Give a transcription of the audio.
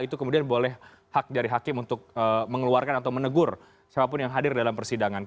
itu kemudian boleh hak dari hakim untuk mengeluarkan atau menegur siapapun yang hadir dalam persidangan